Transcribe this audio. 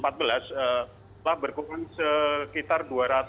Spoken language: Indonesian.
telah berkurang sekitar dua ratus